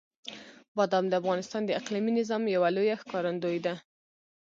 بادام د افغانستان د اقلیمي نظام یوه لویه ښکارندوی ده.